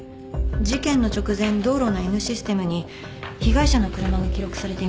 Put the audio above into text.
事件の直前道路のＮシステムに被害者の車が記録されていました。